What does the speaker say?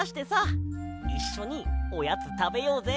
いっしょにおやつたべようぜ。